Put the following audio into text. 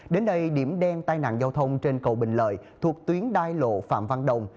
đến đây điểm đen tai nạn giao thông trên cầu bình lợi thuộc tuyến đai lộ phạm văn đồng